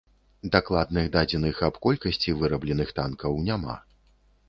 Дакладных дадзеных аб колькасці вырабленых танкаў няма.